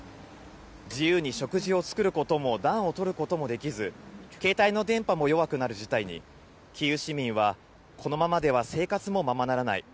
自由に食事を作ることも、暖をとることもできず、携帯の電波も弱くなる事態に、キーウ市民は、このままでは生活もままならない。